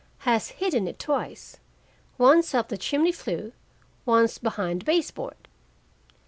Has hidden it twice, once up the chimney flue, once behind base board.